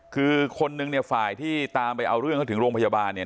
คือคนนึงเนี่ยฝ่ายที่ตามไปเอาเรื่องเขาถึงโรงพยาบาลเนี่ย